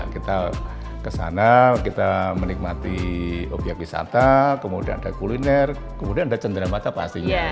kita ke sana kita menikmati obyek wisata kemudian ada kuliner kemudian ada cendera mata pastinya